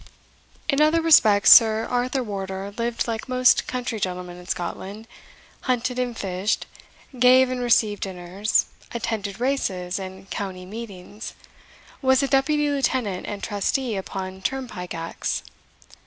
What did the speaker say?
In other respects, Sir Arthur Wardour lived like most country gentlemen in Scotland, hunted and fished gave and received dinners attended races and county meetings was a deputy lieutenant and trustee upon turnpike acts.